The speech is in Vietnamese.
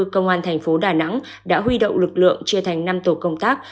công an thành phố đà nẵng đã huy động lực lượng chia thành năm tổ công tác